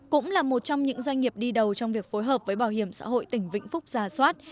cũng là một trong những doanh nghiệp đi đầu trong việc phối hợp với bảo hiểm xã hội tỉnh vĩnh phúc giả soát